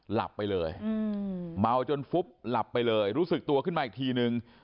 หลับไปเลยเมาจนฟุบหลับไปเลยรู้สึกตัวขึ้นมาอีกทีนึง